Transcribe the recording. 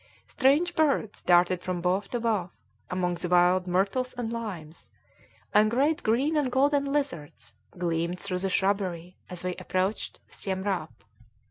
Strange birds darted from bough to bough among the wild myrtles and limes, and great green and golden lizards gleamed through the shrubbery as we approached Siemrâp.